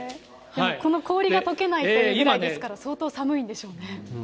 この氷がとけないぐらいですから、相当寒いんでしょうね。